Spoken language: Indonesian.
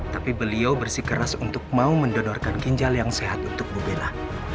tapi beliau bersikeras untuk mau mendonorkan ginjal yang sehat untuk bu bella